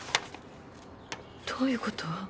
どういうこと？